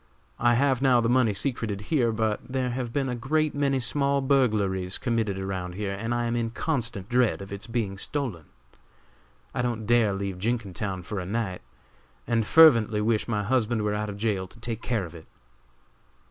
I have now the money secreted here; but there have been a great many small burglaries committed around here, and I am in constant dread of its being stolen. I don't dare leave Jenkintown for a night, and fervently wish my husband were out of jail to take care of it.